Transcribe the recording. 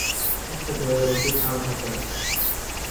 هٿ ڌوئي روٽي کاڻ کپي.